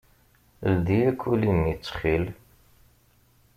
Ldi akuli-nni, ttxil.